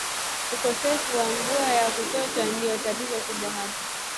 Ukosefu wa mvua ya kutosha ndio tatizo kubwa hapa